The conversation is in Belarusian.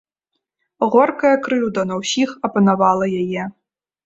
Горкая крыўда на ўсіх апанавала яе.